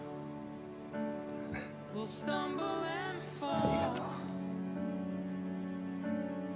ありがとう。